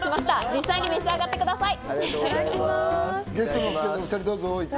実際に召し上がってください。